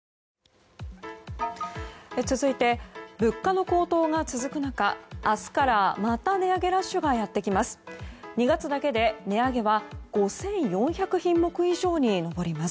続いて物価の高騰が続く中明日からまた値上げラッシュがやってきます。